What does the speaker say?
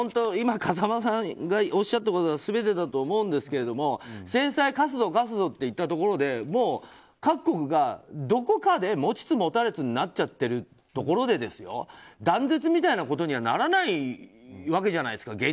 今、風間さんがおっしゃったことが全てだと思うんですけども制裁、科すぞ科すぞって言ったところでもう各国がどこかで持ちつ持たれつになっちゃってるところで断絶みたいなことにはならないわけじゃないですか